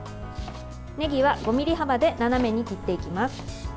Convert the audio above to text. ねぎは５ｍｍ幅で斜めに切っていきます。